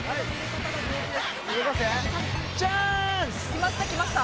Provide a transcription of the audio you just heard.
きましたきました。